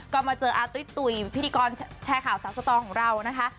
ก็มาเจออาตุ้ยตุ๋ยพิธีกรแชร์ข่าวสาวสตองของเรานะคะ